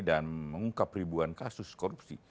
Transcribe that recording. dan mengungkap ribuan kasus korupsi